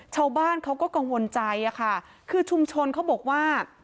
ชาวบ้านเขาก็กังวลใจอะค่ะคือชุมชนเขาบอกว่า